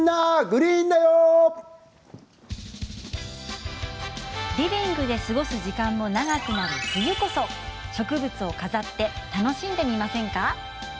リビングで過ごす時間も長くなる冬こそ植物を飾って楽しんでみませんか。